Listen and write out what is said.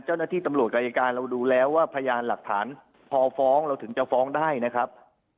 เจ้าหน้าที่ตำรวจกับอายการเราดูแล้วว่าพยานหลักฐานพอฟ้องเราถึงจะฟ้องได้นะครับ